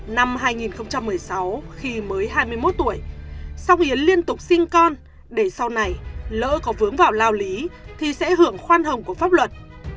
năm hai nghìn một mươi sáu khi mới hai mươi một tuổi song yến liên tục sinh con để sau này lỡ có vướng vào lao lý thì sẽ hưởng khoan hồng của pháp luật